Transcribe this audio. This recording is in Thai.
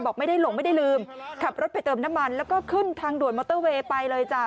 บอกไม่ได้หลงไม่ได้ลืมขับรถไปเติมน้ำมันแล้วก็ขึ้นทางด่วนมอเตอร์เวย์ไปเลยจ้ะ